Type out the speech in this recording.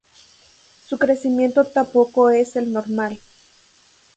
Su crecimiento tampoco es el normal.